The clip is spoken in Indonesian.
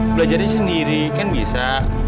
belajarnya sendiri kan bisa